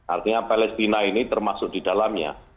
artinya palestina ini termasuk di dalamnya